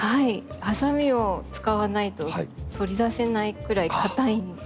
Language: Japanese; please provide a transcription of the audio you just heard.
はさみを使わないと取り出せないくらい硬いんです。